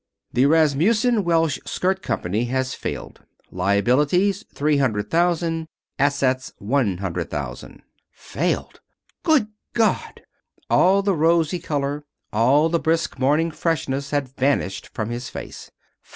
"The Rasmussen Welsh Skirt Company has failed. Liabilities three hundred thousand. Assets one hundred thousand." "Failed! Good God!" All the rosy color, all the brisk morning freshness had vanished from his face.